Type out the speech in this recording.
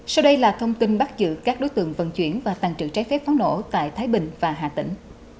sau đây là thông tin bắt giữ các đối tượng vận chuyển và tàn trữ trái phép pháo nổ tại thái bình và hà tĩnh